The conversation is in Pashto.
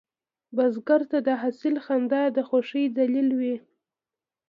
بزګر ته د حاصل خندا د خوښې دلیل وي